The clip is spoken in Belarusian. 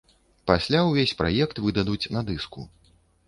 Пасля ўвесь праект выдадуць на дыску.